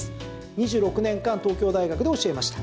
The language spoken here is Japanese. ２６年間東京大学で教えました。